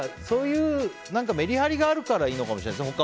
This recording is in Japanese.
そういうメリハリがあるからいいのかもしれない。